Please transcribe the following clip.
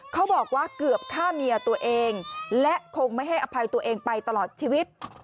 เขาบอกว่าเกือบฆ่าเมียตัวเองและคงไม่ให้อภัยตัวเองไปตลอดชีวิต